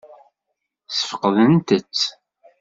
Ssfeqdent-tt?